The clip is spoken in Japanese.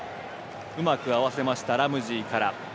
うまく合わせましたラムジーから。